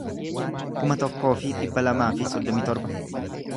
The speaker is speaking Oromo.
kuma tokkoo fi dhibba lamaa fi soddomii torba